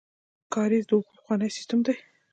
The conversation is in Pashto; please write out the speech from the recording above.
کاریز د اوبو پخوانی سیستم دی